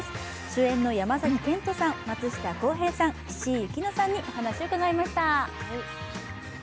主演の山崎賢人さん、松下洸平さん、岸井ゆきのさんにお話を伺いました。